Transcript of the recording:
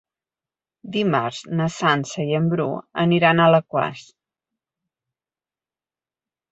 Dimarts na Sança i en Bru aniran a Alaquàs.